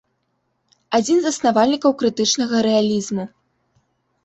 Адзін з заснавальнікаў крытычнага рэалізму.